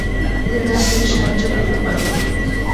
এদের কাছ থেকে সাহায্য পেতে পার।